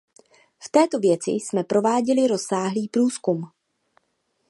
V této věci jsme prováděli rozsáhlý průzkum.